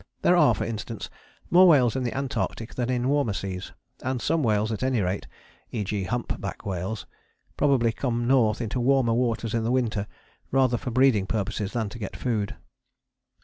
There are, for instance, more whales in the Antarctic than in warmer seas; and some whales at any rate (e.g. Humpback whales) probably come north into warmer waters in the winter rather for breeding purposes than to get food.